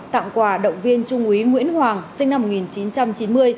tặng quà động viên trung úy nguyễn hoàng sinh năm một nghìn chín trăm chín mươi